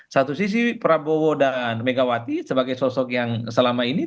satu sisi prabowo dan megawati sebagai sosok yang selama ini